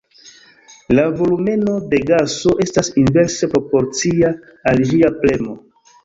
La volumeno de gaso estas inverse proporcia al ĝia premo.